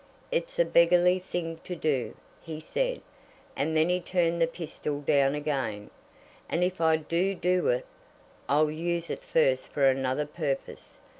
"It's a beggarly thing to do," he said, and then he turned the pistol down again; "and if I do do it, I'll use it first for another purpose."